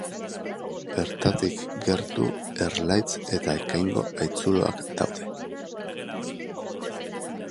Bertatik gertu Erlaitz eta Ekaingo haitzuloak daude.